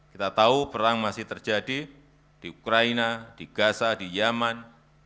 kita tahu perang masih terjadi di ukraina di gaza di yemen